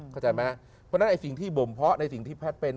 เพราะฉะนั้นสิ่งที่บ่มเพราะในสิ่งที่แพทย์เป็น